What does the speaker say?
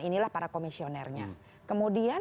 inilah para komisionernya kemudian